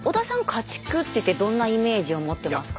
家畜ってどんなイメージを持ってますか？